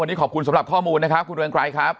วันนี้ขอบคุณสำหรับข้อมูลนะครับคุณเรืองไกรครับ